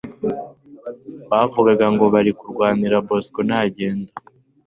bavugaga ngo bari kurwanira Bosco Ntaganda